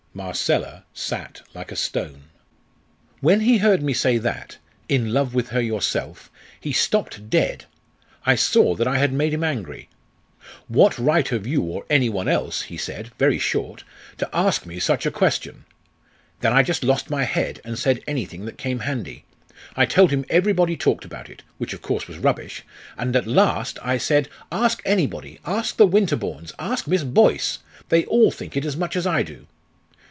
Marcella sat like a stone. "When he heard me say that 'in love with her yourself,' he stopped dead. I saw that I had made him angry. 'What right have you or any one else,' he said, very short, 'to ask me such a question?' Then I just lost my head, and said anything that came handy. I told him everybody talked about it which, of course, was rubbish and at last I said, 'Ask anybody; ask the Winterbournes, ask Miss Boyce they all think it as much as I do.'